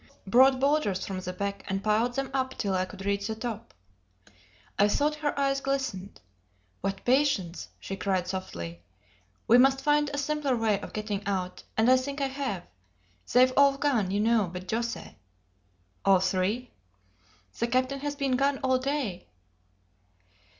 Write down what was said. "Brought boulders from the beck, and piled 'em up till I could reach the top." I thought her eyes glistened. "What patience!" she cried softly. "We must find a simpler way of getting out and I think I have. They've all gone, you know, but José." "All three?" "The captain has been gone all day."